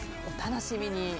お楽しみに。